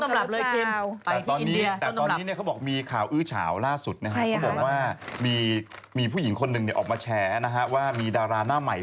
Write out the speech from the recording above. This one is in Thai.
ต้นตำรับเลยคิมไปที่อินเดีย